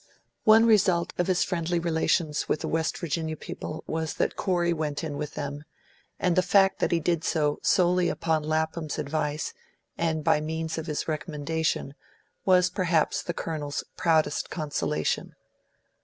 One result of his friendly relations with the West Virginia people was that Corey went in with them, and the fact that he did so solely upon Lapham's advice, and by means of his recommendation, was perhaps the Colonel's proudest consolation.